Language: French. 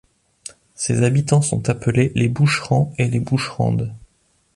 Ses habitants sont appelés les Boucherands et les Boucherandes.